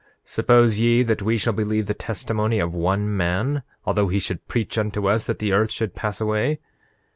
Suppose ye that we shall believe the testimony of one man, although he should preach unto us that the earth should pass away?